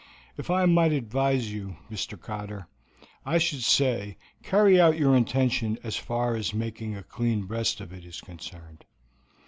"If I might advise you, Mr. Cotter, I should say, carry out your intention as far as making a clean breast of it is concerned.